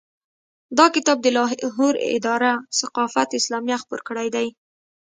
دا کتاب د لاهور اداره ثقافت اسلامیه خپور کړی دی.